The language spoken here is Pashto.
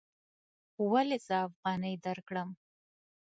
ولې زه افغانۍ درکړم؟